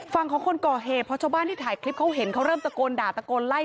ฝั่งของคนก่อเหตุเพราะชาวบ้านที่ถ่ายคลิปเขาเห็นเขาเริ่มตะโกนด่าตะโกนไล่